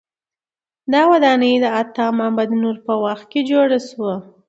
دا ودانۍ د عطا محمد نور په وخت کې جوړه شوه.